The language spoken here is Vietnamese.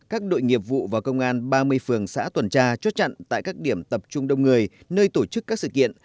các đội nghiệp vụ và công an ba mươi phường xã tuần tra chốt chặn tại các điểm tập trung đông người nơi tổ chức các sự kiện